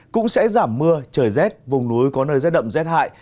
cũng sẽ giảm mưa trời rét vùng núi có nơi rét đậm rét hại